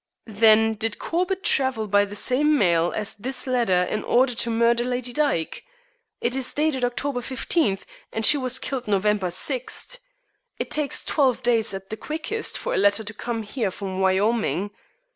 "Then did Corbett travel by the same mail as this letter in order to murder Lady Dyke? It is dated October 15th, and she was killed November 6th. It takes twelve days, at the quickest, for a letter to come here from Wyoming.